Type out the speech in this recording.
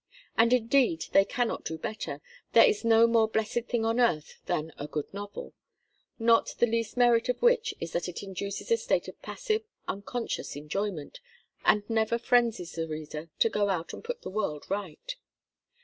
And indeed they cannot do better; there is no more blessed thing on earth than a good novel, not the least merit of which is that it induces a state of passive, unconscious enjoyment, and never frenzies the reader to go out and put the world right.